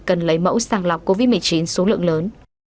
cần lấy mẫu sàng lọc covid một mươi chín số lượng lớn